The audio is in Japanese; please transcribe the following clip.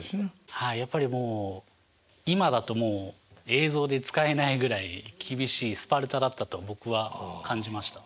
はいやっぱりもう今だともう映像で使えないぐらい厳しいスパルタだったと僕は感じました。